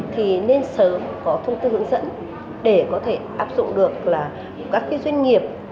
thì nên sớm có thông tin hướng dẫn để có thể áp dụng được các doanh nghiệp